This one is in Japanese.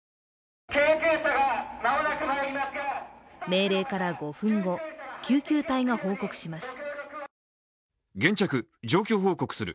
命令から５分後、救急隊が報告します。